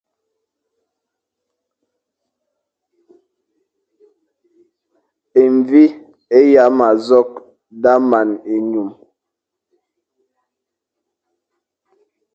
E mvi é yama nzokh daʼa man enyum.